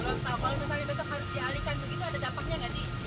kalau misalnya besok harus dialihkan begitu ada dampaknya nggak sih